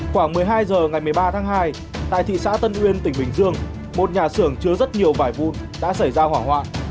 khoảng một mươi hai h ngày một mươi ba tháng hai tại thị xã tân uyên tỉnh bình dương một nhà xưởng chứa rất nhiều bài vụn đã xảy ra hỏa hoạn